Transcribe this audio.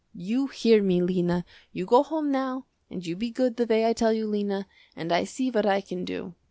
You hear me Lena. You go home now and you be good the way I tell you Lena, and I see what I can do.